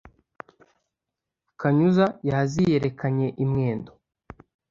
Kanyuza yaziyerekanye i Mwendo,